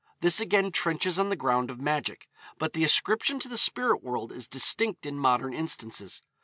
This again trenches on the ground of magic; but the ascription to the spirit world is distinct in modern instances.